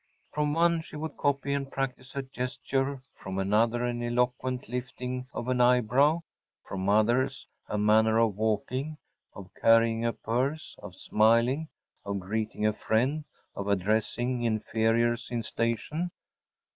From one she would copy and practice a gesture, from another an eloquent lifting of an eyebrow, from others, a manner of walking, of carrying a purse, of smiling, of greeting a friend, of addressing “inferiors in station.